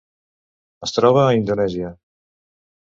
Es troba a Indonèsia: